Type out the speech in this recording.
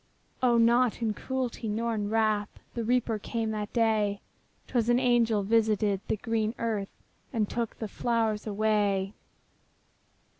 O, not in cruelty, not in wrath, The Reaper came that day; 'Twas an angel visited the green earth, And took the flowers away.